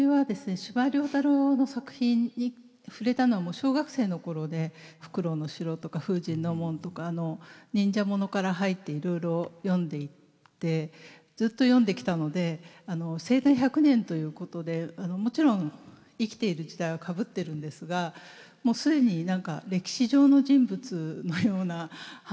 司馬太郎の作品に触れたのはもう小学生の頃で「梟の城」とか「風神の門」とか忍者ものから入っていろいろ読んでいってずっと読んできたので生誕１００年ということでもちろん生きている時代はかぶってるんですがもう既に何か歴史上の人物のような半分なってもう。